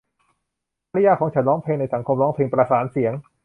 ภรรยาของฉันร้องเพลงในสังคมร้องเพลงประสานเสียง